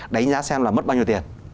đánh giá xem là mất bao nhiêu tiền